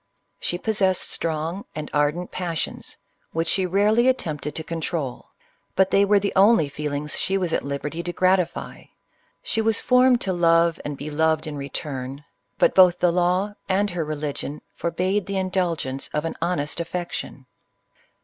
She possessed strong and ardent passions, which she rarely attempted to control, — but they were the only feelings she was at liberty to gratify: she was formed to love, and be loved in return, but both the law and her religion forbade the indulgence of an honest affection.